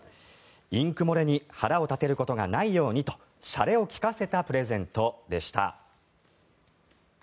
インク漏れに腹を立てることがないようにとしゃれを利かせたプレゼントでした。